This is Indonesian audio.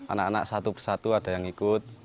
anak anak satu persatu ada yang ikut